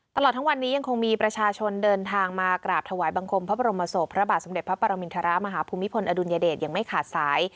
ตลอดทั้งวันนี้ยังคงมีประชาชนเดินทางมากราบถวายบังคมพระบรมศพพระบาทสมเด็จพระปรมินทรมาฮภูมิพลอดุลยเดชยังไม่ขาดสาย